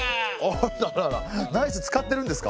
あらら「ナイス」使ってるんですか？